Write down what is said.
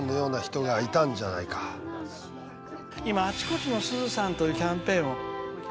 今「あちこちのすずさん」というキャンペーンを。